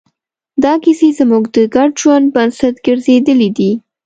دا کیسې زموږ د ګډ ژوند بنسټ ګرځېدلې دي.